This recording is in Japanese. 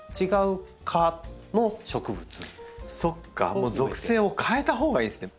そうか属性を変えたほうがいいんですね。